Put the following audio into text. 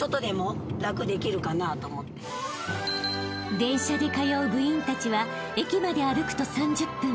［電車で通う部員たちは駅まで歩くと３０分］